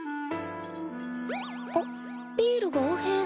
あっビールがおへん。